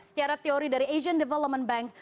secara teori dari asian development bank